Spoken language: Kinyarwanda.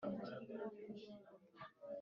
bwana atwood aguma ku izima.